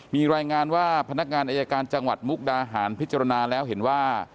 มีรายงานว่าพนักงานอายการจังหวัดมุกดาหารพิจารณาแล้วเห็นว่า